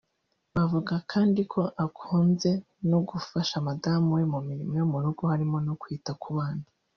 Bavuga kandi ko akunze no gufasha madamu we mu mirimo yo mu rugo harimo no kwita ku bana